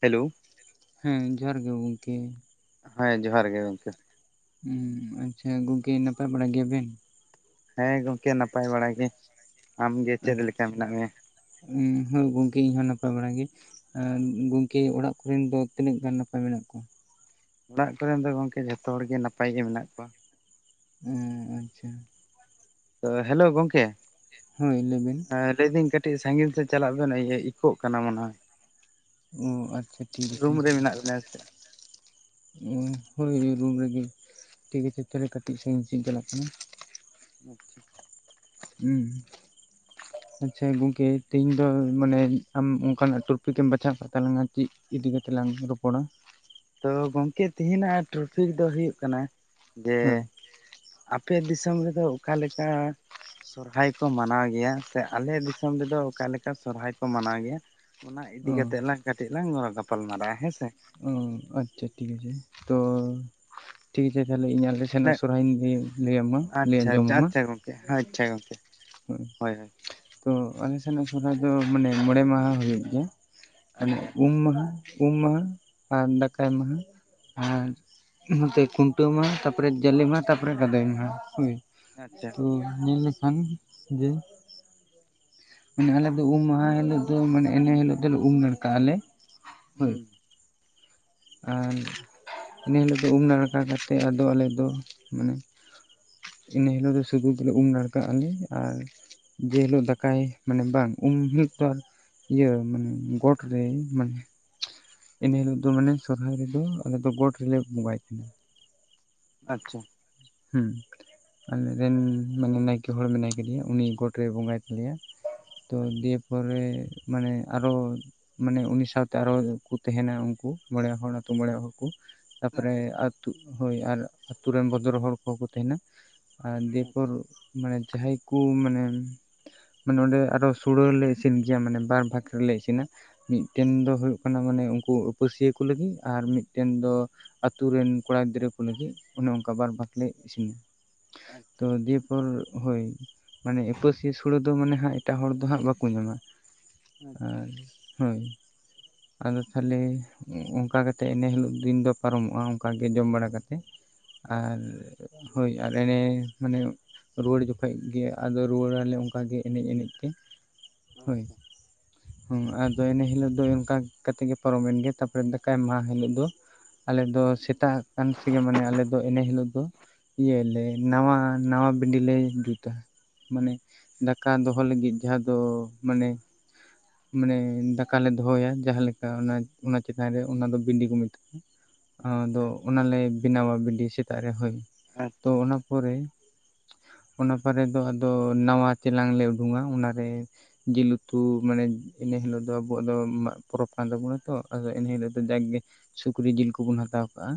Hello ᱦᱮᱸ ᱡᱚᱦᱟᱨ ᱜᱮ ᱜᱚᱢᱠᱮ ᱦᱮᱸ ᱡᱚᱦᱟᱨ ᱜᱮ ᱜᱚᱢᱠᱮ ᱟᱪᱪᱷᱟ ᱜᱚᱝᱠᱮ ᱱᱟᱯᱟᱭ ᱵᱟᱲᱟ ᱜᱮᱭᱟ ᱵᱮᱱ ᱦᱮᱸ ᱜᱚᱢᱠᱮ ᱱᱟᱯᱟᱭ ᱵᱟᱲᱟ ᱜᱮ ᱟᱢᱜᱮ ᱪᱮᱫ ᱞᱮᱠᱟ ᱢᱮᱱᱟᱜ ᱢᱮᱭᱟ ᱾ ᱩᱸ ᱦᱳᱭ ᱜᱚᱝᱠᱮ ᱤᱧᱦᱚᱸ ᱱᱟᱯᱟᱭ ᱵᱟᱲᱟ ᱜᱮ ᱜᱚᱝᱠᱮ ᱚᱲᱟᱜ ᱠᱚᱨᱮᱱ ᱫᱚ ᱛᱤᱱᱟᱹᱜ ᱜᱟᱱ ᱱᱟᱯᱟᱭ ᱢᱮᱱᱟᱜ ᱠᱚᱣᱟ ᱚᱲᱟᱜ ᱠᱚᱨᱮᱱ ᱫᱚ ᱜᱚᱝᱠᱮ ᱡᱷᱚᱛᱚ ᱦᱚᱲ ᱜᱮ ᱱᱟᱯᱟᱭ ᱜᱮ ᱢᱮᱱᱟᱜ ᱠᱚᱣᱟ᱾ ᱚ ᱟᱪᱪᱷᱟ ᱛᱚ ᱦᱮᱞᱳ ᱜᱚᱢᱠᱮ ᱦᱳᱭ ᱞᱟᱹᱭ ᱵᱤᱱ ᱞᱟᱹᱭ ᱫᱟᱹᱧ ᱠᱟᱹᱴᱤᱡ ᱥᱟᱺᱜᱤᱧ ᱥᱮᱫ ᱪᱟᱞᱟᱜ ᱵᱮᱱ ᱤᱭᱟᱹ ᱤᱠᱳᱜ ᱠᱟᱱᱟ ᱢᱚᱱᱮ ᱚ ᱟᱪᱪᱷᱟ ᱴᱷᱤᱠ ᱟᱪᱷᱮ ᱨᱩᱢ ᱨᱮ ᱢᱮᱱᱟᱜ ᱵᱮᱱᱟ ᱥᱮ ᱦᱳᱭ ᱨᱩᱢ ᱨᱮᱜᱮ ᱴᱷᱤᱠ ᱟᱪᱷᱮ ᱛᱟᱦᱚᱞᱮ ᱠᱟᱹᱴᱤᱡ ᱥᱟᱺᱜᱤᱧ ᱥᱮᱧ ᱪᱟᱞᱟᱜ ᱠᱟᱱᱟ᱾ ᱚᱟᱪᱪᱷᱟ ᱦᱩᱸ ᱟᱪᱪᱷᱟ ᱜᱚᱝᱠᱮ ᱛᱤᱦᱤᱧ ᱫᱚ ᱢᱟᱱᱮ ᱟᱢ ᱚᱱᱠᱟᱱᱟᱜ ᱴᱨᱚᱯᱤᱠᱮᱢ ᱵᱟᱪᱷᱟᱣ ᱠᱟᱜ ᱛᱟᱞᱟᱝᱟ ᱪᱮᱫ ᱤᱫᱤ ᱠᱟᱛᱮ ᱞᱟᱝ ᱨᱚᱯᱚᱲᱟ ᱛᱚ ᱜᱚᱢᱠᱮ ᱛᱮᱦᱮᱧᱟᱜ ᱴᱨᱚᱯᱷᱤᱠ ᱫᱚ ᱦᱩᱭᱩᱜ ᱠᱟᱱᱟ ᱡᱮ ᱦᱳᱭ ᱟᱯᱮ ᱫᱤᱥᱚᱢ ᱨᱮᱫᱚ ᱚᱠᱟᱞᱮᱠᱟ ᱥᱚᱨᱦᱟᱭ ᱠᱚ ᱢᱟᱱᱟᱣ ᱜᱮᱭᱟ ᱥᱮ ᱟᱞᱮ ᱫᱤᱥᱚᱢ ᱨᱮᱫᱚ ᱚᱠᱟᱞᱮᱠᱟ ᱥᱚᱨᱦᱟᱭ ᱠᱚ ᱢᱟᱱᱟᱣ ᱜᱮᱭᱟ᱾ ᱚᱱᱟ ᱤᱫᱤ ᱚ ᱠᱟᱛᱮᱜ ᱞᱟᱝ ᱠᱟᱹᱴᱤᱡ ᱞᱟᱝ ᱜᱟᱯᱟᱞ ᱢᱟᱨᱟᱜᱼᱟ ᱦᱮᱸ ᱥᱮ ᱚ ᱟᱪᱪᱷᱟ ᱴᱷᱤᱠ ᱛᱚ ᱴᱷᱤᱠ ᱟᱪᱷᱮ ᱛᱟᱦᱚᱞᱮ ᱤᱧ ᱟᱞᱮ ᱛᱟᱦᱚᱞᱮ ᱥᱮᱱᱟᱜ ᱥᱚᱨᱦᱟᱭᱧ ᱞᱟᱹᱭ ᱞᱟᱹᱭ ᱟᱢᱟ ᱞᱟᱹᱭ ᱟᱪᱪᱷᱟ ᱟᱪᱪᱷᱟ ᱟᱸᱡᱚᱢᱟᱢᱟ ᱟᱪᱪᱷᱟ ᱜᱚᱝᱠᱮ ᱟᱪᱪᱷᱟ ᱜᱚᱝᱠᱮ ᱦᱳᱭ ᱛᱚ ᱟᱞᱮ ᱥᱮᱱᱟᱜ ᱥᱚᱨᱚᱦᱟᱭ ᱫᱚ ᱢᱟᱱᱮ ᱢᱚᱬᱮ ᱢᱟᱦᱟ ᱦᱩᱭᱩᱜ ᱜᱮᱭᱟ ᱢᱟᱱᱮ ᱟᱪᱪᱷᱟ ᱩᱢ ᱢᱟᱦᱟ ᱩᱢ ᱢᱟᱦᱟ ᱟᱨ ᱫᱟᱠᱟᱭ ᱢᱟᱦᱟ ᱟᱨ ᱱᱚᱛᱮ ᱠᱷᱩᱱᱴᱟᱹᱣ ᱢᱟᱦᱟ ᱛᱟᱯᱚᱨᱮ ᱡᱟᱞᱮ ᱢᱟᱦᱟ ᱛᱟᱯᱚᱨᱮ ᱜᱟᱫᱚᱭ ᱢᱟᱦᱟ ᱦᱳᱭ ᱟᱪᱪᱷᱟ ᱛᱚ ᱧᱮᱞ ᱞᱮᱠᱷᱟᱱ ᱡᱮ ᱦᱮᱸ ᱟᱞᱮ ᱫᱚ ᱩᱢ ᱢᱟᱦᱟ ᱦᱤᱞᱳᱜ ᱫᱚ ᱢᱟᱱᱮ ᱮᱱᱮ ᱦᱤᱞᱳᱜ ᱫᱚᱞᱮ ᱩᱢ ᱱᱟᱲᱠᱟᱜ ᱟᱞᱮ ᱦᱳᱭ ᱦᱩᱸ ᱟᱨ ᱤᱱᱟᱹ ᱦᱤᱞᱳᱜ ᱫᱚ ᱩᱢ ᱱᱟᱲᱠᱟ ᱠᱟᱛᱮᱫ ᱟᱫᱚ ᱟᱞᱮᱫᱚ ᱢᱟᱱᱮ ᱤᱱᱟᱹ ᱦᱤᱞᱳᱜ ᱫᱚ ᱥᱩᱫᱷᱩ ᱜᱮᱞᱮ ᱩᱢ ᱱᱟᱲᱠᱟᱜ ᱟᱞᱮ ᱟᱨ ᱡᱮ ᱦᱤᱞᱳᱜ ᱫᱟᱠᱟᱭ ᱢᱟᱱᱮ ᱵᱟᱝ ᱩᱱ ᱢᱤᱢᱤᱫ ᱴᱚᱲ ᱤᱭᱟᱹ ᱢᱟᱱᱮ ᱜᱚᱴ ᱨᱮᱧ ᱢᱟᱱᱮ ᱤᱱᱟᱹ ᱦᱤᱞᱳᱜ ᱫᱚ ᱢᱟᱱᱮ ᱥᱚᱨᱦᱟᱭ ᱨᱮᱫᱚ ᱟᱞᱮᱫ ᱫᱚ ᱜᱚᱴ ᱨᱮᱞᱮ ᱵᱚᱸᱜᱟᱭᱮᱫ ᱛᱟᱦᱮᱱᱟ ᱟᱪᱪᱷᱟ ᱦᱩᱸ ᱟᱞᱮᱨᱮᱱ ᱢᱟᱱᱮ ᱱᱟᱭᱠᱮ ᱦᱚᱲ ᱢᱮᱱᱟᱭ ᱠᱟᱫᱮᱭᱟ ᱩᱱᱤ ᱜᱚᱴ ᱨᱮᱭ ᱵᱚᱸᱜᱟᱭ ᱜᱮᱭᱟ ᱛᱚ ᱟᱪᱪᱷᱟ ᱜᱮᱯᱚᱨᱮ ᱢᱟᱱᱮ ᱟᱨᱚ ᱢᱟᱱᱮ ᱩᱱᱤ ᱥᱟᱶᱛᱮ ᱟᱨᱚ ᱠᱚ ᱛᱟᱦᱮᱱᱟ ᱩᱱᱠᱩ ᱢᱚᱬᱮ ᱦᱚᱲ ᱟᱛᱩ ᱢᱚᱮ ᱦᱚᱲ ᱠᱚ ᱛᱟᱨᱯᱚᱨᱮ ᱟᱪᱪᱷᱟ ᱟᱹᱛᱩ ᱦᱳᱭ ᱟᱨ ᱟᱹᱛᱩ ᱨᱮᱱ ᱵᱚᱫᱽᱨᱚ ᱦᱚᱲ ᱠᱚᱦᱚᱸ ᱠᱚ ᱛᱟᱦᱮᱱᱟ ᱟᱨ ᱫᱤᱭᱮᱯᱚᱨ ᱟᱪᱪᱷᱟ ᱢᱟᱱᱮ ᱡᱟᱦᱟᱸᱟᱸᱦᱟᱭ ᱠᱚ ᱢᱟᱱᱮ ᱢᱟᱱᱮ ᱱᱚᱸᱰᱮ ᱟᱨᱚ ᱥᱳᱲᱟ ᱞᱮ ᱤᱥᱤᱱ ᱜᱮᱭᱟ ᱢᱟᱱᱮ ᱵᱟᱨ ᱵᱷᱟᱜᱽ ᱨᱮᱞᱮ ᱤᱥᱤᱱᱟ ᱢᱤᱫᱴᱮᱱ ᱫᱚ ᱦᱩᱭᱩᱜ ᱠᱟᱱᱟ ᱢᱟᱱᱮ ᱦᱩᱭᱚᱜ ᱠᱟᱱᱟ ᱢᱟᱱᱮ ᱩᱱᱠᱩ ᱯᱟᱹᱥᱤᱭᱟᱹ ᱠᱚ ᱞᱟᱹᱜᱤᱫ ᱟᱨ ᱢᱤᱫᱴᱮᱱ ᱫᱚ ᱟᱛᱩᱨ ᱨᱮᱱ ᱠᱚᱲᱟ ᱜᱤᱫᱽᱨᱟᱹᱠᱩ ᱞᱟᱹᱜᱤᱫ ᱚᱱᱮ ᱚᱱᱠᱟ ᱵᱟᱨ ᱵᱷᱟᱟᱜᱞ ᱤᱥᱤᱱᱟ ᱛᱚ ᱟᱪᱪᱷᱟ ᱟᱪᱪᱷᱟ ᱟᱪᱪᱷᱟ ᱡᱮᱫ ᱯᱚᱨ ᱦᱳᱭ ᱢᱟᱱᱮ ᱩᱯᱟᱹᱥᱤᱭᱟᱹ ᱥᱚᱲᱮ ᱫᱚ ᱢᱟᱱᱮ ᱦᱟᱸᱜ ᱮᱴᱟᱜ ᱦᱚᱲ ᱫᱚ ᱦᱟᱸᱜ ᱵᱟᱠᱚ ᱧᱟᱢᱟ ᱟᱪᱪᱷᱟ ᱟᱨ ᱦᱳᱭ ᱟᱫᱚ ᱛᱟᱦᱞᱮ ᱚᱱᱠᱟ ᱠᱟᱛᱮᱜ ᱮᱱᱮ ᱦᱤᱞᱳᱜ ᱫᱤᱱ ᱫᱚ ᱯᱟᱨᱚᱢᱚᱜᱼᱟ ᱚᱱᱠᱟᱜᱮ ᱡᱚᱢ ᱵᱟᱲᱟ ᱠᱟᱛᱮᱜ ᱟᱨ ᱟᱪᱪᱷᱟ ᱟᱪᱪᱷᱟ ᱟᱪᱪᱷᱟ ᱦᱳᱭ ᱟᱨ ᱮᱨᱮ ᱢᱟᱱᱮ ᱨᱩᱣᱟᱹᱲ ᱡᱚᱠᱷᱚᱱ ᱜᱮ ᱟᱫᱚ ᱨᱩᱣᱟᱹᱲᱟᱞᱮ ᱚᱱᱠᱟᱜᱮ ᱱᱮᱡ ᱮᱱᱮᱡ ᱛᱮ ᱦᱳᱭ ᱦᱩᱸ ᱟᱫᱚ ᱮᱱᱹ ᱦᱤᱞᱳᱜ ᱫᱚ ᱚᱱᱠᱟ ᱠᱟᱛᱮᱜ ᱜᱮ ᱯᱟᱨᱚᱢ ᱮᱱ ᱜᱮ ᱛᱟᱨᱯᱚᱨᱮ ᱫᱟᱠᱟ ᱮᱢ ᱢᱟᱦᱟ ᱦᱤᱞᱳᱜ ᱫᱚ ᱟᱞᱮ ᱫᱚ ᱥᱮᱛᱟᱜ ᱟᱠᱷᱟᱱ ᱥᱮᱜᱮ ᱢᱟᱱᱮ ᱟᱞᱮ ᱫᱚ ᱮᱱᱮ ᱦᱤᱞᱳᱜ ᱫᱚ ᱤᱭᱟᱹᱞᱮ ᱱᱟᱣᱟ ᱱᱟᱣᱟ ᱵᱤᱞᱤ ᱞᱮ ᱡᱩᱛᱟ ᱢᱟᱱᱮ ᱫᱟᱠᱟ ᱫᱚᱦᱚ ᱞᱟᱹᱜᱤᱫ ᱡᱟᱦᱟᱸ ᱫᱚ ᱢᱟᱱᱮ ᱢᱟᱱᱮ ᱫᱟᱠᱟᱞᱮ ᱫᱚᱦᱚᱭᱟ ᱡᱟᱦᱟᱸᱞᱮᱠᱟ ᱚᱱᱟ ᱚᱱᱟ ᱪᱮᱛᱟᱱ ᱨᱮ ᱚᱱᱟᱫᱚ ᱵᱤᱞᱤ ᱠᱚ ᱢᱮᱛᱟᱜ ᱟᱪᱪᱷᱟ ᱟᱫᱚ ᱟᱪᱪᱷᱟ ᱚᱱᱟᱞᱮ ᱵᱮᱱᱟᱣᱟ ᱵᱤᱞᱤ ᱥᱮᱛᱟᱜ ᱨᱮ ᱦᱳᱭ ᱟᱪᱪᱷᱟ ᱟᱪᱪᱷᱟ ᱛᱚ ᱟᱪᱪᱷᱟ ᱚᱱᱟ ᱯᱚᱨᱮ ᱚᱱᱟ ᱯᱚᱨᱮ ᱫᱚ ᱟᱫᱚ ᱱᱟᱣᱟ ᱪᱮᱞᱟᱝ ᱞᱮ ᱩᱰᱩᱝᱼᱟ ᱚᱱᱟᱨᱮ ᱡᱤᱞ ᱩᱛᱩ ᱢᱟᱱᱮ ᱤᱱᱟᱹ ᱦᱤᱞᱚᱜᱜ ᱫᱚ ᱟᱵᱚᱣᱟᱜ ᱫᱚ ᱢᱟᱜᱽ ᱯᱚᱨᱚᱵᱽ ᱠᱟᱱ ᱛᱟᱵᱚᱱᱟ ᱛᱚ ᱟᱫᱚ ᱮᱱᱦᱤᱞᱳᱜ ᱫᱚ ᱡᱟᱠᱜᱮ ᱥᱩᱠᱨᱤ ᱡᱤᱞ ᱠᱚᱵᱚᱱ ᱦᱟᱛᱟᱣ ᱠᱟᱜᱼᱟ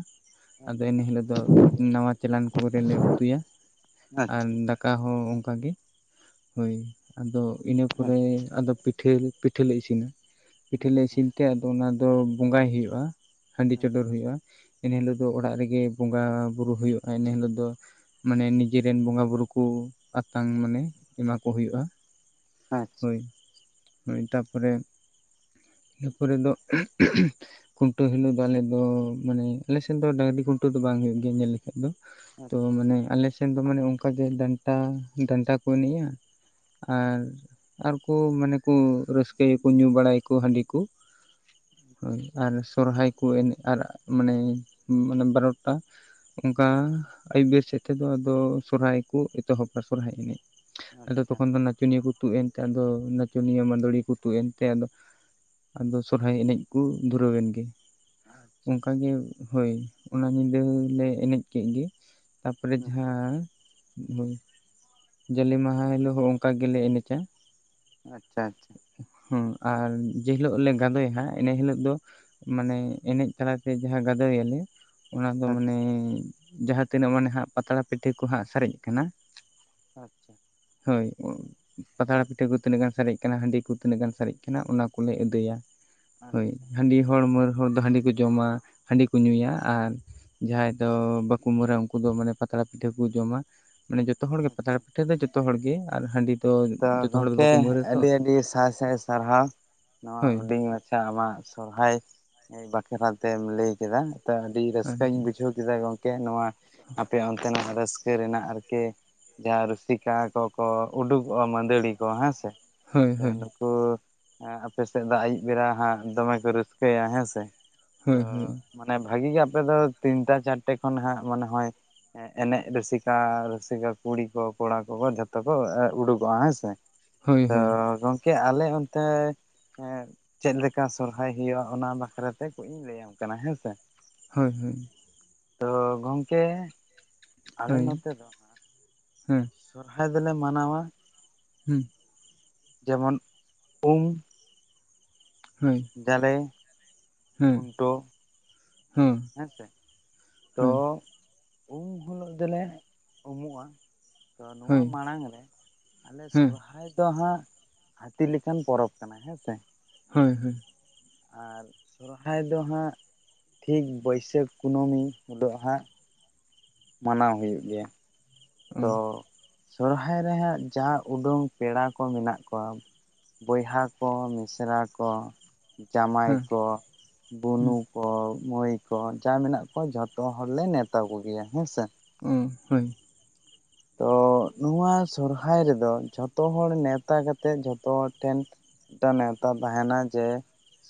ᱟᱫᱚ ᱟᱪᱪᱷᱟ ᱮᱱᱦᱤᱞᱳᱜ ᱫᱚ ᱱᱟᱣᱟ ᱪᱮᱞᱟᱟᱝ ᱠᱚᱨᱮᱞᱮ ᱩᱛᱩᱭᱟ ᱟ ᱟᱪᱪᱷᱟ ᱫᱟᱠᱟ ᱦᱚᱸ ᱚᱱᱠ ᱜᱮ ᱦᱳᱭ ᱟᱫᱚ ᱤᱱᱟᱹ ᱟᱪᱪᱷᱟ ᱜᱚᱝᱠᱮ ᱟᱪᱪᱷᱟ ᱟᱪᱪᱷᱟ ᱯᱚᱨᱮ ᱟᱪᱪᱷᱟ ᱟᱫᱚ ᱯᱤᱴ ᱯᱷᱤᱞ ᱯᱤᱴᱷᱟᱹᱞᱮ ᱤᱥᱤᱱᱟ ᱯᱤᱴᱷᱟᱹᱞᱮ ᱟᱪᱪᱷᱟ ᱤᱥᱤᱱ ᱛᱮ ᱟᱫᱚ ᱚᱱᱟ ᱫᱚ ᱵᱚᱸᱜᱟᱭ ᱦᱩᱭᱩᱜᱼᱟ ᱦᱟᱺᱰᱤ ᱪᱚᱰᱚᱨ ᱦᱩᱭᱩᱜᱼᱟ ᱮᱱᱹ ᱦᱤᱞᱳᱜ ᱫᱚ ᱚᱲᱟᱜ ᱨᱮᱜᱮ ᱵᱚᱸᱜᱟ ᱵᱩᱨᱩ ᱦᱩᱭᱩᱜᱼᱟ ᱮᱱᱮᱹ ᱦᱤᱞᱳᱜ ᱫᱚ ᱢᱟᱱᱮ ᱱᱤᱡᱮᱨᱮᱱ ᱵᱚᱸᱜᱟ ᱵᱩᱨᱩ ᱠᱚ ᱟᱛᱟᱝ ᱢᱟᱱᱮ ᱮᱢᱟ ᱠᱚ ᱦᱩᱭᱩᱜᱼᱟ᱾ ᱦᱳᱭ ᱦᱳᱭ ᱛᱟᱯᱚᱨᱮ, ᱤᱱᱟᱹ ᱯᱚᱨᱮ ᱫᱚ ᱠᱷᱩᱱᱴᱟᱹᱣ ᱦᱤᱞᱳᱜ ᱫᱚ ᱟᱞᱮ ᱫᱚ ᱢᱟᱱᱮ ᱟᱞᱮᱱ ᱫᱚ ᱰᱟᱹᱟᱝᱨᱤ ᱠᱷᱩᱱᱴᱟᱹᱣ ᱫᱚ ᱵᱟᱝ ᱦᱩᱭᱩᱜ ᱜᱮᱭᱟ ᱧᱮᱞ ᱫᱚ ᱛᱚ ᱢᱟᱱᱮ ᱟᱞᱮ ᱥᱮᱱ ᱫᱚ ᱢᱟᱱᱮ ᱚᱱᱠᱟᱜᱮ ᱰᱟᱱᱴᱟ ᱰᱟᱱᱴᱟ ᱠᱚ ᱮᱱᱮᱡᱼᱟ ᱟᱨ ᱟᱨᱠᱩ ᱢᱟᱱᱮ ᱠᱚ ᱨᱟᱹᱥᱠᱟᱹᱭᱟᱠᱚ ᱧᱩ ᱵᱟᱲᱟᱭᱟᱠᱚ ᱦᱟᱺᱰᱤᱠᱚ ᱦᱳᱭ ᱟᱨ ᱥᱚᱨᱦᱟᱭ ᱠᱚ ᱮᱱᱮᱡ ᱟᱨ ᱢᱟᱱᱮ ᱢᱟᱱᱮ ᱵᱟᱨᱚᱴᱟ ᱚᱱᱠᱟ ᱟᱹᱭᱩᱵ ᱵᱮᱨ ᱥᱮᱫ ᱛᱮᱫᱚ ᱟᱫᱚ ᱥᱚᱨᱦᱟᱭ ᱠᱚ ᱮᱛᱚᱦᱚᱵᱟ ᱥᱚᱨᱦᱟᱭ ᱮᱱᱮᱡ ᱟᱫᱚ ᱛᱚᱠᱷᱚᱱ ᱫᱚ ᱱᱟᱪᱚᱱᱤᱭᱟᱹ ᱠᱚ ᱛᱩᱫ ᱮᱱᱛᱮ ᱟᱫᱚ ᱱᱟᱪᱚᱱᱤᱭᱟᱹ ᱢᱟᱫᱲᱤᱭᱟᱹ ᱠᱚ ᱛᱩᱫ ᱮᱱᱛᱮ ᱟᱫᱚ ᱟᱫᱚ ᱥᱚᱨᱦᱟᱭ ᱮᱱᱮᱡ ᱠᱩ ᱫᱷᱩᱨᱟᱹᱣ ᱮᱱ ᱜᱮ, ᱚᱱᱠᱟᱜᱮ ᱦᱳᱭ ᱚᱱᱟ ᱧᱤᱫᱟᱹᱞᱮ ᱮᱱᱮᱡ ᱠᱮᱜ ᱜᱮ ᱛᱟᱯᱚᱨᱮ ᱡᱟᱦᱟᱸ ᱡᱟᱞᱮ ᱢᱟᱦᱟ ᱦᱤᱞᱳᱜ ᱦᱚᱸ ᱚᱱᱠᱟ ᱜᱮᱞᱮ ᱮᱱᱮᱡᱟ, ᱟᱪᱪᱷᱟ ᱟᱪᱪᱷᱟ, ᱦᱮᱸ ᱟᱨ ᱡᱮᱦᱤᱞᱳᱜ ᱞᱮ ᱜᱟᱸᱫᱳᱭᱟ ᱦᱟᱸᱜ ᱤᱱᱟ ᱦᱤᱞᱳᱜ ᱫᱚ ᱢᱟᱱᱮ ᱮᱱᱮᱡ ᱛᱟᱞᱟᱛᱮ ᱡᱟᱦᱟᱸ ᱜᱟᱫᱳᱭ ᱟᱞᱮ ᱚᱱᱟ ᱫᱚ ᱢᱟᱱᱮ ᱟᱪᱪᱷᱟ ᱡᱟᱦᱟᱸ ᱛᱤᱱᱟᱹᱜ ᱢᱟᱱᱮ ᱦᱟᱜ ᱯᱟᱛᱲᱟ ᱯᱤᱴᱷᱟᱹ ᱠᱚᱦᱟᱸᱜ ᱥᱟᱨᱮᱡ ᱠᱟᱱᱟ ᱟᱪᱪᱷᱟ, ᱦᱳᱭ ᱯᱟᱛᱲᱟ ᱯᱤᱴᱷᱟᱹ ᱠᱚ ᱛᱤᱱᱟᱹᱜ ᱜᱟᱱ ᱥᱟᱨᱮᱡ ᱠᱟᱱᱟ ᱦᱟᱺᱰᱤ ᱠᱚ ᱛᱤᱱᱟᱹᱜ ᱜᱟᱱ ᱥᱟᱨᱮᱡ ᱠᱟᱱᱟ ᱚᱱᱟ ᱠᱚᱞᱮ ᱟᱹᱫᱟᱹᱭᱟ, ᱦᱳᱭ ᱦᱟᱺᱰᱤ ᱦᱚᱲ ᱢᱟᱹᱨ ᱦᱚᱲ ᱫᱚ ᱦᱟᱺᱰᱤ ᱠᱚ ᱡ ᱡᱚᱢᱟ ᱦᱟᱺᱰᱤ ᱠᱚ ᱧᱩᱭᱟ ᱟᱨ ᱡᱟᱦᱟᱸᱭ ᱫᱚ ᱵᱟᱠᱚ ᱢᱟᱹᱨᱟ ᱩᱱᱠᱩ ᱫᱚ ᱢᱟᱱᱮ ᱯᱟᱛᱲᱟ ᱯᱤᱴᱷᱟᱹ ᱠᱚ ᱡᱚᱢᱟ ᱢᱟᱱᱮ ᱡᱚᱛᱚ ᱦᱚᱲᱜ ᱜᱮ ᱯᱟᱛᱲᱟ ᱯᱤᱴᱷᱟᱹ ᱫᱚ ᱡᱚᱛᱚ ᱡᱚᱛᱚ ᱦᱚᱲ ᱜᱮ ᱟᱨ ᱦᱟᱺᱰᱤ ᱫᱚ ᱛᱚ ᱡᱚᱛᱚ ᱦᱚᱲ ᱫᱚ ᱜᱚᱢᱠᱮ ᱵᱟᱠᱚ ᱢᱟᱹᱨᱟ ᱛᱚ ᱟᱹᱰᱤ ᱟᱹᱰᱤ ᱥᱟᱭ ᱥᱟᱭ ᱥᱟᱨᱦᱟᱣ ᱱᱚᱣᱟ ᱦᱳᱭ ᱦᱩᱰᱤᱧ ᱢᱟ ᱟᱪᱪᱷᱟ ᱟᱢᱟᱜ ᱥᱚᱨᱦᱟᱭ ᱵᱟᱠᱷᱨᱟ ᱛᱮᱢ ᱞᱟᱹᱭ ᱠᱮᱫᱟ ᱛᱚ ᱟᱹᱰᱤ ᱨᱟᱹᱥᱠᱟᱹᱧ ᱟᱪᱪᱷᱟ ᱵᱩᱡᱷᱟᱹᱣ ᱠᱮᱫᱟ ᱠᱮᱫᱟ ᱜᱚᱢᱠᱮ ᱱᱚᱣᱟ ᱟᱯᱮ ᱚᱱᱛᱮᱱᱟᱜ ᱨᱟᱹᱥᱠᱟᱹ ᱨᱮᱱᱟᱜ ᱟᱨᱠᱤ ᱡᱟᱦᱟᱸ ᱨᱩᱥᱤᱠᱟ ᱠᱚᱠᱚ ᱩᱰᱩᱠᱚᱜᱼᱟ ᱢᱟᱹᱫᱟᱹᱲᱤ ᱠᱚ ᱦᱮᱸ ᱥᱮ, ᱦᱳᱭ ᱦᱳᱭ ᱛᱚ ᱟᱯᱮ ᱥᱮᱫ ᱫᱚ ᱟᱹᱭᱩᱵ ᱵᱮᱲᱟ ᱦᱟᱸᱜ ᱫᱚᱢᱮ ᱠᱚ ᱨᱟᱹᱥᱠᱟᱹᱭᱟ ᱦᱮᱸ ᱥᱮ, ᱛᱚ ᱦᱳᱭ ᱦᱳᱭ ᱢᱟᱱᱮ ᱵᱷᱟᱹᱜᱤ ᱜᱮ ᱟᱯᱮ ᱫᱚ ᱛᱤᱱᱴᱟ ᱪᱟᱨᱴᱮ ᱠᱷᱚᱱ ᱦᱟᱜ ᱢᱚᱱᱮ ᱦᱚᱭ ᱮᱱᱮᱡ ᱨᱩᱥᱤᱠᱟ ᱨᱩᱥᱤᱠᱟ ᱠᱩᱲᱤ ᱠᱚ ᱠᱚᱲᱟ ᱠᱚᱠᱚ ᱡᱷᱚᱛᱚ ᱠᱚ ᱩᱰᱩᱠ ᱠᱚᱣᱟ ᱦᱮᱸ ᱥᱮ ᱦᱳᱭ ᱛᱚ ᱦᱳᱭ ᱜᱚᱢᱠᱮ ᱟᱞᱮ ᱚᱱᱛᱮ ᱦᱮᱸ ᱪᱮᱫ ᱞᱮᱠᱟ ᱥᱚᱨᱦᱟᱭ ᱦᱩᱭᱩᱜᱼᱟ ᱚᱱᱟ ᱵᱟᱠᱷᱨᱟ ᱛᱮ ᱠᱟᱹᱪ ᱤᱧ ᱞᱟᱹᱭᱟᱢ ᱠᱟᱱᱟ ᱦᱮᱸ ᱥᱮ, ᱦᱳᱭ ᱦᱳᱭ, ᱛᱚ ᱜᱚᱢᱠᱮ ᱟᱞᱮ ᱦᱳᱭ ᱱᱚᱛᱮ ᱫᱚ ᱦᱮᱸ ᱥᱚᱨᱦᱟᱭ ᱫᱚᱞᱮ ᱢᱟᱱᱟᱣᱟ, ᱦᱩᱸ ᱡᱮᱢᱚᱱ ᱩᱢ, ᱦᱩᱸ ᱡᱟᱞᱮ ᱦᱩᱸ ᱦᱩᱸ ᱦᱮᱸ ᱥᱮ ᱛᱚ ᱩᱢ ᱦᱤᱞᱳᱜ ᱫᱚᱞᱮ ᱩᱢᱩᱜᱼᱟ, ᱛᱚ ᱱᱚᱣᱟ ᱦᱳᱭ ᱢᱟᱲᱟᱝ ᱨᱮ ᱟᱞᱮ ᱦᱮᱸ ᱥᱚᱦᱨᱟᱭ ᱫᱚ ᱦᱟᱸᱜ ᱦᱟᱹᱛᱤ ᱞᱮᱠᱟᱱ ᱯᱚᱨᱚᱵᱽ ᱠᱟᱱᱟ ᱦᱮᱸ ᱥᱮ ᱦᱳᱭ ᱦᱳᱭ, ᱟᱨ ᱥᱚᱨᱦᱟᱭ ᱫᱚ ᱦᱟᱸᱜ ᱴᱷᱤᱠ ᱵᱟᱹᱭᱥᱟᱹᱠᱷ ᱠᱩᱱᱟᱹᱢᱤ ᱩᱫᱟᱹᱜ ᱦᱟᱸᱜ ᱢᱟᱱᱟᱣ ᱦᱩᱭᱩᱜ ᱜᱮᱭᱟ, ᱚ ᱛᱚ ᱥᱚᱨᱦᱟᱭ ᱨᱮᱦᱟᱸᱜ ᱡᱟ ᱩᱰᱩᱝ ᱯᱮᱲᱟ ᱠᱚ ᱢᱮᱱᱟᱜ ᱠᱚᱣᱟ ᱵᱚᱭᱦᱟ ᱠᱚ ᱢᱤᱥᱨᱟ ᱠᱚ ᱡᱟᱢᱟᱭ ᱦᱮᱸ ᱠᱚ ᱵᱩᱱᱩᱠ ᱠᱚ ᱢᱟᱹᱭ ᱠᱚ ᱡᱟ ᱢᱮᱱᱟᱜ ᱠᱚᱣᱟ ᱡᱷᱚᱛᱚ ᱦᱚᱲᱞᱮ ᱱᱮᱣᱛᱟ ᱠᱚᱜᱮᱭᱟ ᱦᱮᱸ ᱥᱮ ᱩᱸ ᱦᱳᱭ ᱛᱚ ᱱᱚᱣᱟ ᱥᱚᱨᱦᱟᱭ ᱨᱮᱫᱚ ᱡᱷᱚᱛᱚ ᱦᱚᱲ ᱱᱮᱶᱛᱟ ᱠᱟᱛᱮᱫ ᱡᱷᱚᱛᱚ ᱦᱚᱲ ᱴᱷᱮᱱ ᱢᱤᱫᱴᱟᱱ ᱱᱮᱶᱛᱟ ᱛᱟᱦᱮᱱᱟ ᱡᱮ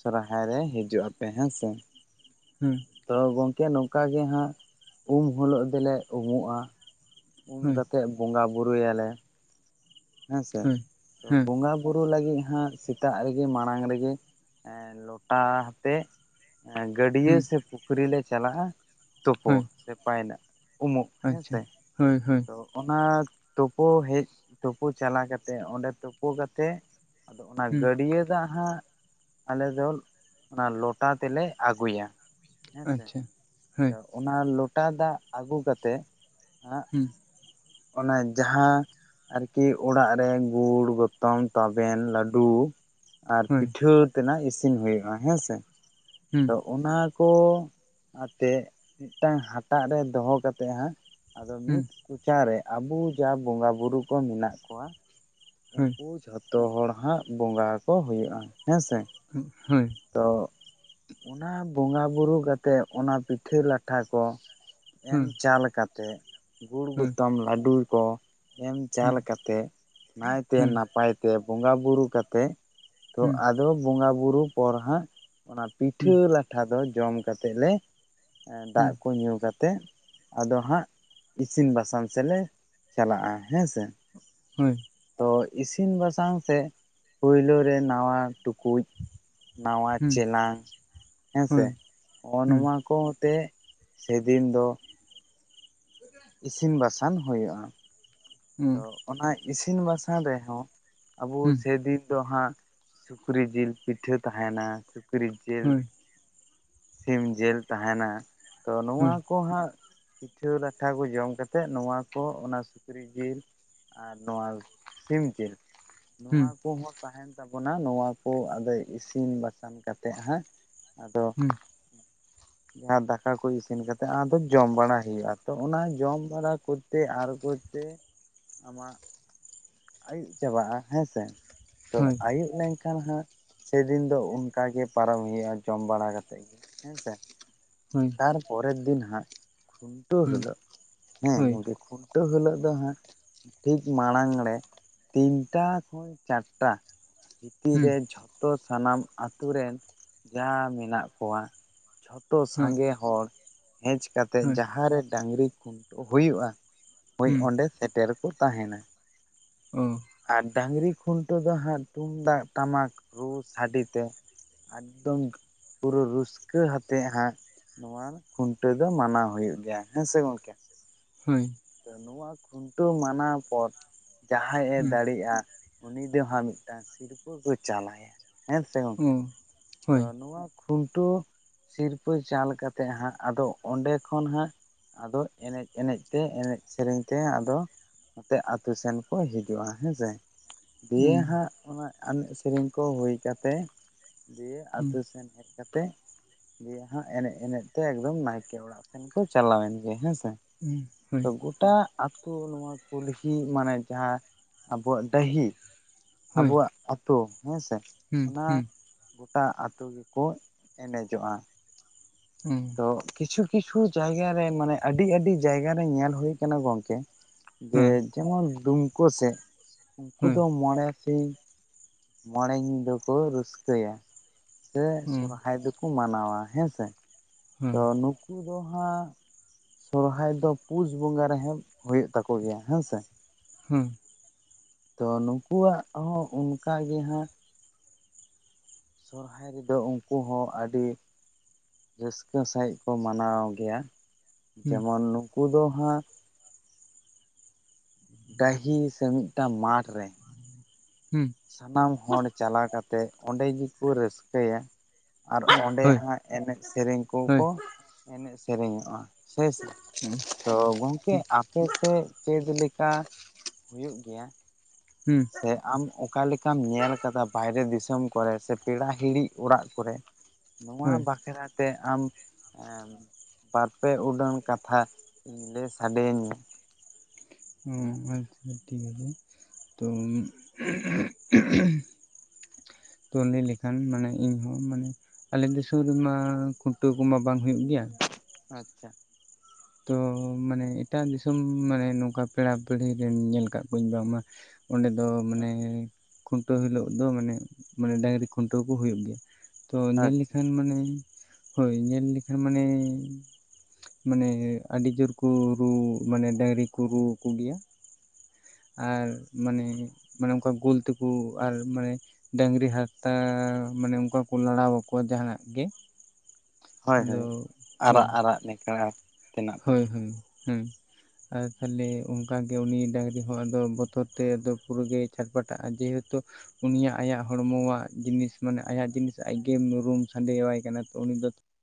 ᱥᱚᱨᱦᱟᱭ ᱨᱮ ᱦᱤᱡᱩᱜ ᱟᱯᱮ ᱦᱮᱸ ᱥᱮ ᱦᱩᱸ ᱛᱚ ᱜᱚᱝᱠᱮ ᱱᱚᱝᱠᱟ ᱜᱮ ᱦᱟᱸᱜ ᱩᱢ ᱦᱤᱞᱳᱜ ᱫᱚᱞᱮ ᱩᱢᱩᱜᱼᱟ ᱩᱱ ᱦᱳᱭ ᱠᱟᱛᱮᱫ ᱵᱚᱸᱜᱟ ᱵᱩᱨᱩᱭᱟᱞᱮ ᱦᱮᱸ ᱥᱮ ᱦᱳᱭ ᱛᱚ ᱵᱚᱸᱜᱟ ᱦᱮᱸ ᱵᱚᱸᱜᱟ ᱵᱩᱨᱩ ᱞᱟᱹᱜᱤᱫ ᱦᱟᱸᱜ ᱥᱮᱛᱟᱜ ᱨᱮᱜᱮ ᱢᱟᱲᱟᱝ ᱨᱮᱜᱮ ᱞᱚᱴᱟ ᱦᱟᱛᱮ ᱜᱟᱹᱰᱭᱟᱹ ᱦᱩᱸ ᱥᱮ ᱯᱩᱠᱷᱨᱤ ᱞᱮ ᱪᱟᱞᱟᱜᱼᱟ ᱛᱳᱯᱳ ᱦᱳᱭ ᱥᱮ ᱯᱟᱭ ᱨᱟᱜ ᱩᱢᱩᱜ ᱦᱮᱸ ᱟᱪᱪᱷᱟ ᱥᱮ ᱦᱳᱭ ᱦᱳᱭ ᱛᱚ ᱚᱱᱟ ᱛᱳᱯᱳ ᱦᱮᱡ ᱛᱳᱯᱩ ᱪᱟᱞᱟ ᱠᱟᱛᱮᱜ ᱚᱸᱰᱮ ᱛᱳᱯᱳ ᱠᱟᱛᱮᱜ ᱟᱫᱚ ᱚᱱᱟ ᱦᱩᱸ ᱜᱟᱹᱰᱭᱟᱹ ᱫᱟᱜ ᱦᱟᱸᱜ ᱟᱞᱮ ᱫᱚ ᱚᱱᱟ ᱞᱚᱴᱟ ᱛᱮᱞᱮ ᱟᱹᱜᱩᱭᱟ ᱦᱮᱸ ᱥᱮ ᱟᱪᱪᱷᱟ ᱦᱳᱭ ᱛᱚ ᱚᱱᱟ ᱞᱚᱴᱟ ᱫᱟᱜ ᱟᱹᱜᱩ ᱠᱟᱛᱮᱫ ᱦᱟᱸᱜ ᱦᱩᱸ ᱚᱱᱟ ᱡᱟᱦᱟᱸ ᱟᱨᱠᱤ ᱚᱲᱟᱜ ᱨᱮ ᱜᱩᱲ ᱜᱚᱛᱚᱢ ᱛᱟᱵᱮᱱ ᱞᱟᱹᱰᱩ ᱟᱨ ᱦᱳᱭ ᱯᱤᱴᱷᱟᱹ ᱛᱮᱱᱟᱜ ᱤᱥᱤᱱ ᱦᱩᱭᱩᱜᱼᱟ ᱦᱮᱸ ᱥᱮ ᱦᱩᱸ ᱛᱚ ᱚᱱᱟ ᱠᱚ ᱟᱛᱮᱫ ᱢᱤᱫᱴᱟᱝ ᱦᱟᱴᱟᱜ ᱨᱮ ᱫᱚᱦᱚ ᱠᱟᱛᱮᱫ ᱦᱟᱸᱜ ᱟᱫᱚ ᱦᱩᱸ ᱢᱤᱫ ᱠᱚᱪᱟᱨᱮ ᱟᱵᱩ ᱡᱟ ᱵᱚᱸᱜᱟᱼᱵᱩᱨᱩ ᱠᱚ ᱢᱮᱱᱟᱜ ᱠᱚᱣᱟ ᱦᱳᱭ ᱩᱝᱠᱩ ᱡᱷᱚᱛᱚ ᱦᱚᱲ ᱦᱟᱸᱜ ᱵᱚᱸᱜᱟ ᱟᱠᱚ ᱦᱩᱭᱩᱜᱼᱟ ᱦᱮᱸ ᱥᱮ ᱦᱳᱭ ᱦᱮᱸ ᱦᱳᱭ ᱛᱚ ᱚᱱᱟ ᱵᱚᱸᱜᱟ ᱵᱩᱨᱩ ᱠᱟᱛᱮᱜ ᱚᱱᱟ ᱯᱤᱴᱷᱟᱹ ᱞᱟᱴᱷᱟ ᱠᱚ ᱮᱢ ᱪᱟᱞ ᱠᱟᱛᱮᱜ ᱜᱩᱲ ᱦᱮᱸ ᱜᱩᱛᱚᱢ ᱞᱟᱰᱩ ᱠᱚ ᱮᱢ ᱪᱟᱞ ᱠᱟᱛᱮᱜ ᱱᱟᱭᱛᱮ ᱦᱳᱭ ᱱᱟᱯᱟᱭ ᱛᱮ ᱵᱚᱸᱜᱟ ᱵᱩᱨᱩ ᱠᱟᱛᱮᱜ ᱛᱚ ᱦᱩᱸ ᱦᱩᱸ ᱟᱫᱚ ᱵᱚᱸᱜᱟ ᱵᱩᱨᱩ ᱯᱚᱨ ᱦᱟᱸᱜ ᱚᱱᱟ ᱦᱩᱸ ᱯᱤᱴᱷᱟᱹ ᱞᱟ ᱴᱷᱟ ᱫᱚ ᱡᱚᱢ ᱠᱟᱛᱮᱜ ᱞᱮ ᱮᱸ ᱫᱟᱜ ᱠᱚ ᱧᱩ ᱠᱟᱛᱮᱜ ᱟᱫᱚ ᱦᱟᱸᱜ ᱤᱥᱤᱱ ᱵᱟᱥᱟᱝ ᱥᱮ ᱞᱮ ᱪᱟᱞᱟᱜᱼᱟ ᱦᱮᱸ ᱥᱮ ᱦᱳᱭ ᱛᱚ ᱤᱥᱤᱱ ᱵᱟᱥᱟᱝ ᱥᱮᱜ ᱯᱳᱭᱞᱳ ᱨᱮ ᱱᱟᱣᱟ ᱴᱩᱠᱩᱡ ᱱᱟᱣᱟ ᱦᱩᱸ ᱦᱳᱭ ᱦᱩᱸ ᱚ ᱦᱩᱸ ᱪᱮᱞᱟᱝ ᱦᱮᱸ ᱥᱮ ᱦᱳᱭ ᱦᱳᱭ ᱦᱩᱸ ᱱᱚᱜᱼᱚ ᱱᱚᱣᱟ ᱠᱚ ᱟᱛᱮ ᱥᱮᱫᱤᱱ ᱫᱚ ᱤᱥᱤᱱ ᱵᱟᱥᱟᱝ ᱦᱳᱭᱳᱜᱼᱟ ᱦᱩᱸ ᱦᱳᱭ ᱛᱚ ᱚᱱᱟ ᱤᱥᱤᱱ ᱵᱟᱥᱟᱝ ᱨᱮᱦᱚᱸ ᱟᱵᱚ ᱥᱮᱫᱤᱱ ᱫᱚ ᱦᱟᱸᱜ ᱥᱩᱠᱨᱤ ᱡᱤᱞ ᱯᱤᱴᱷᱟᱹ ᱛᱟᱸᱦᱮᱸᱱᱟ ᱥᱩᱠᱨᱤ ᱡᱤᱞ ᱥᱤᱢ ᱡᱤᱞ ᱛᱟᱸᱦᱮᱸᱱᱟ ᱛᱚ ᱱᱚᱣᱟ ᱠᱚ ᱦᱟᱸᱜ ᱯᱤᱴᱷᱟᱹ ᱞᱟᱴᱷᱟ ᱠᱚ ᱡᱚᱢ ᱠᱟᱛᱮᱜ ᱱᱚᱣᱟ ᱠᱚ ᱚᱱᱟ ᱥᱩᱠᱨᱤ ᱡᱤᱞ ᱟᱨ ᱱᱚᱣᱟ ᱥᱤᱢᱡᱤᱞ ᱱᱚᱣᱟ ᱠᱩ ᱦᱚᱸ ᱛᱟᱸᱦᱮᱸᱱ ᱛᱟᱵᱚᱱᱟ ᱱᱚᱣᱟ ᱠᱚ ᱟᱫᱚ ᱤᱥᱤᱱ ᱵᱟᱥᱟᱝ ᱠᱟᱛᱮ ᱦᱟᱸᱜ ᱟᱫᱚ ᱦᱩᱸ ᱡᱟᱦᱟᱸ ᱫᱟᱠᱟ ᱠᱚ ᱤᱥᱤᱱ ᱠᱟᱛᱮ ᱟᱫᱚ ᱡᱚᱢ ᱵᱟᱲᱟ ᱦᱩᱭᱩᱜᱼᱟ ᱛᱚ ᱚᱱᱟ ᱡᱚᱢ ᱵᱟᱲᱟ ᱠᱚ ᱛᱮ ᱟᱨ ᱠᱚᱛᱮ ᱟᱢᱟᱜ ᱟᱭᱩᱵ ᱪᱟᱵᱟᱜᱼᱟ ᱦᱮᱸᱥᱮ ᱛᱚ ᱟᱭᱩᱵ ᱞᱮᱱ ᱠᱷᱟᱱ ᱦᱟᱸᱜ ᱥᱮᱫᱤᱱ ᱫᱚ ᱚᱱᱠᱟ ᱜᱮ ᱯᱟᱨᱚ ᱦᱩᱭᱩᱜᱼᱟ ᱡᱚᱢ ᱵᱟᱲᱟ ᱠᱟᱛᱮ ᱜᱮ ᱦᱮᱸ ᱥᱮ ᱦᱳᱭ ᱟᱨ ᱯᱚᱨᱮᱨ ᱫᱤᱱ ᱦᱟᱸᱜ ᱠᱷᱩᱱᱴᱟᱹᱣ ᱦᱩᱸ ᱦᱤᱞᱳᱜ ᱦᱮᱸ ᱦᱳᱭ ᱜᱚᱝᱠᱮ ᱠᱷᱩᱱ ᱴᱟ. ᱣ ᱦᱤᱞᱳᱜ ᱫᱚ ᱦᱟᱸᱜ ᱴᱷᱤᱠ ᱢᱟᱲᱟᱝ ᱲᱮ ᱛᱤᱱᱴᱟ ᱠᱷᱚᱱ ᱪᱟᱨᱴᱟ ᱵᱷᱤᱛᱤᱨ ᱦᱩᱸ ᱨᱮ ᱡᱷᱚ ᱛᱚ ᱥᱟᱱᱟᱢ ᱟᱛᱩ ᱨᱮᱱ ᱡᱟᱸᱦᱟᱸ ᱢᱮᱱᱟᱜ ᱠᱚᱣᱟ ᱡᱷᱚᱛᱚ ᱦᱳᱭ ᱥᱟᱸᱜᱮ ᱦᱚᱲ ᱦᱮᱪ ᱠᱟᱛᱮᱫ ᱦᱳᱭ ᱡᱟᱸᱦᱟᱸ ᱨᱮ ᱰᱟᱝᱨᱤ ᱠᱷᱩᱱ ᱦᱩᱭᱩᱜᱼᱟ ᱦᱳᱭ ᱦᱩᱸ ᱚᱸᱰᱮᱸ ᱥᱮᱴᱮᱨ ᱠᱚ ᱛᱟᱸᱦᱮᱱᱟ ᱚ ᱟᱨ ᱰᱟᱝᱨᱤ ᱠᱷᱩᱱᱴᱟᱹᱣ ᱫᱚ ᱦᱟᱸᱜ ᱛᱩᱢᱫᱟᱜ ᱴᱟᱢᱟᱠ ᱨᱩ ᱥᱟᱰᱤ ᱛᱮ ᱮᱠᱫᱚᱢ ᱯᱩᱨᱟᱹ ᱨᱩᱥᱠᱟᱹ ᱦᱟᱛᱮ ᱦᱟᱸᱜ ᱱᱚᱣᱟ ᱠᱷᱩᱱᱴᱟᱹᱣ ᱫᱚ ᱢᱟᱱᱟᱣ ᱦᱩᱭᱩᱜ ᱜᱮᱭᱟ ᱦᱮᱸ ᱥᱮ ᱜᱚᱝᱠᱮ ᱦᱳᱭ ᱛᱚ ᱱᱚᱣᱟ ᱠᱷᱩᱱᱴᱟᱹᱣ ᱢᱟᱱᱟᱣ ᱯᱚᱨ ᱡᱟᱦᱟᱸᱭ ᱮ ᱦᱩᱸ ᱫᱟᱲᱮᱜᱼᱟ ᱩᱱᱤ ᱫᱚ ᱦᱟᱸᱜ ᱢᱤᱫᱴᱟᱝ ᱥᱤᱨᱯᱟᱹ ᱠᱩ ᱪᱟᱞᱟᱭᱟ ᱦᱮᱸ ᱥᱮ ᱜᱚᱝᱠᱮ ᱚ ᱛᱚ ᱦᱳᱭ ᱱᱚᱣᱟ ᱠᱷᱩᱱᱴᱟᱹᱣ ᱥᱤᱨᱯᱟᱹ ᱪᱟᱞ ᱠᱟᱛᱮᱜ ᱦᱟᱸᱜ ᱟᱫᱚ ᱚᱸᱰᱮᱸ ᱠᱷᱚᱱ ᱦᱟᱸᱜ ᱟᱫᱚ ᱮᱱᱮᱡ ᱮᱱᱮᱡ ᱛᱮ ᱮᱱᱮᱡ ᱥᱮᱨᱮᱧ ᱛᱮ ᱟᱫᱚ ᱱᱚᱛᱮ ᱟᱛᱩ ᱥᱮᱱ ᱠᱚ ᱦᱤᱡᱩᱜᱼᱟ ᱦᱮᱸᱥᱮ ᱫᱤᱭᱮ ᱩᱸ ᱦᱟᱸᱜ ᱚᱱᱟ ᱮᱱᱮᱡ ᱥᱮᱨᱮᱧ ᱠᱚ ᱦᱩᱭ ᱠᱟᱛᱮ ᱫᱤᱭᱮ ᱟᱛᱩ ᱦᱩᱸ ᱥᱮᱱ ᱦᱮᱡ ᱠᱟᱛᱮ ᱫᱤᱭᱮ ᱦᱟᱸᱜ ᱮᱱᱮᱡ ᱮᱱᱮᱡ ᱛᱮ ᱮᱠᱫᱚᱢ ᱱᱟᱭᱠᱮ ᱚᱲᱟᱜ ᱥᱮᱱ ᱠᱚ ᱪᱟᱞᱟᱣᱮᱱ ᱜᱮ ᱦᱮᱸᱥᱮ ᱩᱸ ᱛᱚ ᱦᱳᱭ ᱜᱩ ᱴᱟ ᱟᱛᱳ ᱱᱚᱣᱟ ᱠᱩᱞᱦᱤ ᱢᱟᱱᱮ ᱡᱟᱸᱦᱟᱸ ᱟᱵᱚᱣᱟᱜ ᱰᱟᱹᱦᱤ ᱦᱳᱭ ᱟᱵᱚᱣᱟᱜ ᱟᱛᱳ ᱦᱮᱸᱥᱮ ᱦᱩᱸ ᱚᱱᱟ ᱦᱩᱸ ᱜᱚᱴᱟ ᱟᱛᱩ ᱜᱤᱠᱚ ᱮᱱᱮᱡᱚᱜᱼᱟ ᱦᱩᱸ ᱛᱚ ᱠᱤᱪᱷᱩ ᱠᱤᱪᱷᱩ ᱡᱟᱭᱜᱟ ᱨᱮ ᱢᱟᱱᱮ ᱟᱰᱤ ᱟᱰᱤ ᱡᱟᱭᱜᱟ ᱨᱮ ᱧᱮᱞ ᱦᱩᱭ ᱠᱟᱱᱟ ᱜᱚᱝᱠᱮ ᱡᱮ ᱦᱮᱸ ᱡᱮᱢᱚᱱ ᱫᱩᱢᱠᱳ ᱥᱮᱫ ᱩᱱᱠᱩ ᱦᱳᱭ ᱫᱚ ᱢᱚᱬᱮ ᱥᱤᱧ ᱢᱚᱬᱮ ᱧᱤᱫᱟᱹ ᱠᱚ ᱨᱟᱹᱥᱠᱟᱹᱭᱟ ᱥᱮ ᱚ ᱦᱮᱸ ᱥᱚᱨᱦᱟᱭ ᱫᱚ ᱠᱩ ᱢᱟᱱᱟᱣᱟ ᱦᱮᱸ ᱥᱮ ᱦᱮᱸ ᱦᱩᱸ ᱛᱚ ᱱᱩ ᱠᱩ ᱫᱚ ᱦᱟᱸᱜ ᱥᱚᱨᱦᱟᱭ ᱫᱚ ᱯᱩᱥ ᱵᱚᱸᱜᱟ ᱨᱮᱦᱚᱸ ᱦᱳᱭᱳᱜ ᱛᱟᱠᱚ ᱜᱮᱭᱟ ᱦᱮᱸ ᱥᱮ ᱦᱩᱸ ᱛᱚ ᱱᱩᱠᱩᱣᱟᱜ ᱦᱚᱸ ᱚᱱᱠᱟ ᱜᱮ ᱦᱟᱸᱜ ᱥᱚᱨᱦᱟᱭ ᱨᱮᱫᱚ ᱳᱱᱠᱳ ᱦᱚᱸ ᱟᱹᱰᱤ ᱨᱟᱹᱥᱠᱟᱹ ᱥᱟᱦᱤᱡ ᱠᱚ ᱢᱟᱱᱟᱣ ᱜᱮᱭᱟ ᱦᱳᱭ ᱡᱮᱢᱚᱱ ᱱᱩᱠᱩ ᱫᱚ ᱦᱟᱸᱜ ᱰᱟᱹᱦᱤ ᱥᱮ ᱢᱤᱫᱴᱟᱝ ᱢᱟᱴᱷ ᱨᱮ ᱦᱩᱸ ᱥᱟᱱᱟᱢ ᱦᱚᱲ ᱪᱟᱞᱟ ᱠᱟᱛᱮ ᱚᱸᱰᱮ ᱜᱤᱠᱚ ᱨᱟᱹᱥᱠᱟᱹ ᱭᱟ ᱟᱨ ᱚᱸᱰᱮ ᱟᱪᱪᱷᱟ ᱴᱷᱤᱠ ᱦᱟᱸᱜ ᱮᱱᱮᱡ ᱥᱮᱨᱮᱧ ᱠᱚᱠᱚ ᱮᱱᱮᱡ ᱥᱮᱨᱮᱧᱚᱜᱼᱟ ᱥᱮᱭ ᱥᱮ ᱛᱚ ᱜᱚᱝᱠᱮ ᱟᱯᱮ ᱥᱮᱫ ᱪᱮᱫᱽ ᱞᱮᱠᱟ ᱦᱩᱭᱩᱜ ᱜᱮᱭᱟ ᱥᱮ ᱟᱢ ᱚᱠᱟ ᱞᱮᱠᱟᱢ ᱧᱮᱞ ᱠᱟᱫᱟ ᱵᱟᱭᱨᱮ ᱫᱤᱥᱚᱢ ᱠᱚᱨᱮ ᱥᱮ ᱯᱮᱲᱟ ᱦᱤᱲᱤ ᱚᱲᱟᱜ ᱠᱚᱨᱮ ᱱᱚᱣᱟ ᱵᱟᱠᱷᱨᱟ ᱛᱮ ᱟᱢ ᱵᱟᱨᱯᱮ ᱩᱰᱟᱹᱱ ᱠᱟᱛᱷᱟ ᱞᱮᱭ ᱥᱟᱰᱮᱭᱟᱹᱧ ᱢᱮ ᱦᱩ ᱟᱪᱪᱷᱟ ᱴᱷᱤᱠ ᱟᱪᱷᱮ ᱛᱚ ᱛᱚ ᱞᱮᱭ ᱞᱮᱠᱷᱟᱱ ᱢᱟᱱᱮ ᱤᱧᱦᱚᱸ ᱢᱟᱱᱮ ᱟᱞᱮ ᱫᱤᱥᱚᱢ ᱨᱮᱢᱟ ᱠᱷᱩᱱᱴᱟᱹᱣ ᱠᱚᱢᱟ ᱵᱟᱝ ᱦᱩᱭᱩᱜ ᱜᱤᱭᱟ ᱟᱪᱪᱷᱟ ᱛᱚ ᱢᱟᱱᱮ ᱮᱴᱟᱜ ᱫᱤᱥᱚᱢ ᱢᱟᱱᱮ ᱱᱚᱝᱠᱟ ᱯᱮᱲᱟ ᱯᱤᱲᱦᱤ ᱨᱮᱱ ᱧᱮᱞ ᱠᱟᱜ ᱠᱩᱣᱟᱹᱧ ᱵᱟᱝᱢᱟ ᱚᱸᱰᱮ ᱫᱚ ᱢᱟᱱᱮ ᱟᱪᱪᱷᱟ ᱠᱷᱩᱱᱴᱟᱹᱣ ᱦᱤᱞᱳᱜ ᱫᱚ ᱢᱟᱱᱮ ᱢᱟᱱᱮ ᱰᱟᱹᱝᱨᱤ ᱠᱷᱩᱱᱴᱟᱹᱣ ᱠᱚ ᱦᱩᱭᱩᱜ ᱜᱤᱭᱟ ᱛᱚ ᱧᱮᱞ ᱟᱪᱪᱷᱟ ᱞᱮᱠᱷᱟᱱ ᱢᱟᱱᱮ ᱦᱳᱭ ᱧᱮᱞ ᱞᱮᱠᱷᱟᱱ ᱢᱟᱱᱮ ᱢᱟᱱᱮ ᱟᱹᱰᱤ ᱡᱳᱨ ᱠᱩ ᱨᱩ ᱢᱟᱱᱮ ᱰᱟᱹᱟᱝᱨᱤ ᱠᱳ ᱨᱩᱣᱟ ᱠᱚ ᱜᱤᱭᱟ ᱟᱨ ᱢᱟᱱᱮ ᱢᱟᱱᱮ ᱚᱝᱠᱟ ᱜᱳᱞ ᱛᱮ ᱠᱩ ᱟᱨ ᱢᱟᱱᱮ ᱰᱟᱹᱝᱨᱤ ᱦᱟᱨᱛᱟ ᱢᱟᱱᱮ ᱚᱱᱠᱟ ᱠᱚ ᱞᱟᱲᱟ ᱟᱠᱚᱣᱟ ᱡᱟᱦᱟᱱᱟᱜ ᱜᱮ ᱦᱳᱭ ᱟᱫᱚ ᱦᱳᱭ ᱦᱳᱭ ᱟᱨᱟᱜ ᱟᱨᱟᱜ ᱱᱮᱠᱲᱟ ᱦᱳᱭ ᱦᱳᱭ ᱦᱩᱸ ᱟᱨ ᱛᱟᱦᱞᱮ ᱚᱱᱠᱟ ᱜᱮ ᱩᱱᱤ ᱰᱟᱹᱝᱨᱤ ᱦᱚᱸ ᱟᱫᱚ ᱵᱚᱛᱚᱨ ᱛᱮ ᱫᱚ ᱯᱩᱨᱟᱹ ᱜᱮ ᱪᱷᱟᱴᱯᱟᱴᱟᱜᱼᱟ ᱡᱮᱦᱮᱛᱩ ᱩᱱᱤᱭᱟᱜ ᱟᱭᱟᱜ ᱦᱚᱲᱢᱚᱣᱟᱜ ᱡᱤᱱᱤᱥ ᱢᱟᱱᱮ ᱟᱭᱟᱜ ᱡᱤᱱᱤᱥ ᱟᱡᱜᱮ ᱢᱩᱨᱩᱢ ᱥᱟᱰᱮᱣᱟᱭ ᱠᱟᱱᱟ ᱛᱚ ᱩᱱᱤ ᱫᱚ